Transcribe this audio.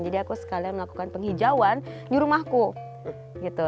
jadi aku sekalian melakukan penghijauan di rumahku gitu